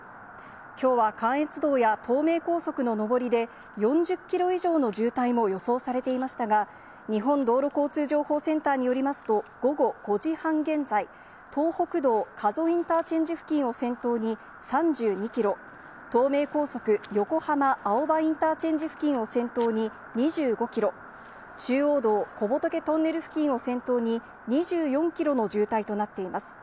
きょうは関越道や東名高速の上りで、４０キロ以上の渋滞も予想されていましたが、日本道路交通情報センターによりますと、午後５時半現在、東北道加須インターチェンジ付近を先頭に３２キロ、東名高速横浜青葉インターチェンジ付近を先頭に２５キロ、中央道小仏トンネル付近を先頭に２４キロの渋滞となっています。